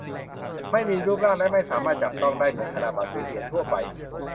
ไม่มีรูปร่างและไม่สามารถจับต้องได้เหมือนธนบัตรหรือเหรียญทั่วไป